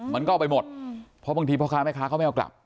มันก็เอาไปหมดเพราะบางทีพ่อค้าแม่ค้าเขาไม่เอากลับ